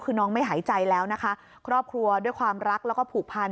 คือน้องไม่หายใจแล้วนะคะครอบครัวด้วยความรักแล้วก็ผูกพัน